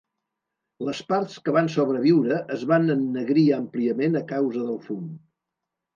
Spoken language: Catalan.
Les parts que van sobreviure es van ennegrir àmpliament a causa del fum.